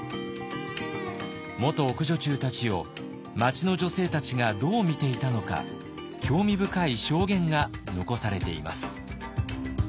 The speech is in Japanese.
元奥女中たちを町の女性たちがどう見ていたのか興味深い証言が残されています。